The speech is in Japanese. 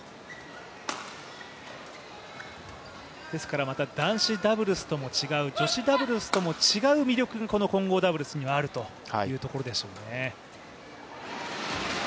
ですからまた男子ダブルスとも違う女子ダブルスとも違う魅力がこの混合ダブルスにはあるというところでしょうね。